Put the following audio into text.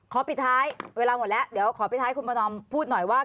ปิดท้ายเวลาหมดแล้วเดี๋ยวขอปิดท้ายคุณประนอมพูดหน่อยว่า